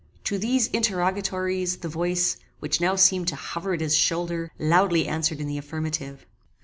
To these interrogatories the voice, which now seemed to hover at his shoulder, loudly answered in the affirmative.